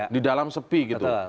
di dalam sepi gitu